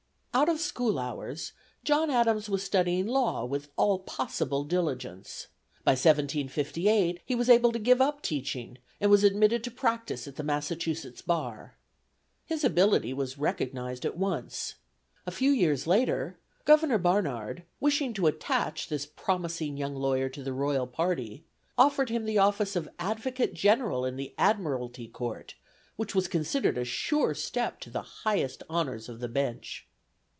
Out of school hours, John Adams was studying law with all possible diligence. By 1758 he was able to give up teaching, and was admitted to practise at the Massachusetts bar. His ability was recognized at once. A few years later, Governor Barnard, wishing to attach this promising young lawyer to the royal party, offered him the office of advocate general in the Admiralty Court, which was considered a sure step to the highest honors of the bench.